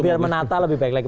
biar menata lebih baik lagi